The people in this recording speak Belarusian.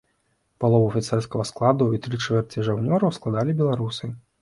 Палову афіцэрскага складу і тры чвэрці жаўнераў складалі беларусы.